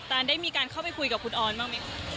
ได้มีการเข้าไปคุยกับคุณออนบ้างไหมคะ